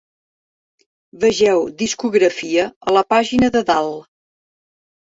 Vegeu 'Discografia' a la pàgina de dalt.